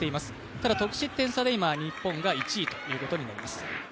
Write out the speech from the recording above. ただ、得失点差で今、日本が１位ということになります。